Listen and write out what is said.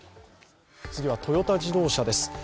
次はトヨタ自動車です。